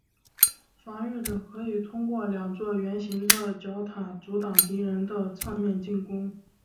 防御者可以通过两座圆形的角塔阻挡敌人的侧面进攻。